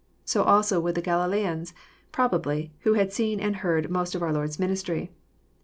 So also would the Galileans, probably, who had seen and heard most of our Lord's ministry.